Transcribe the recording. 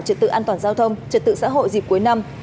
trật tự an toàn giao thông trật tự xã hội dịp cuối năm